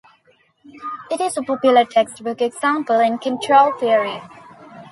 It is a popular textbook example in control theory.